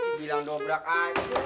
eh bilang dobrak aja